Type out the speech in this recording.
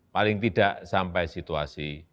paling tidak sampai situasi